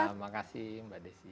terima kasih mbak desi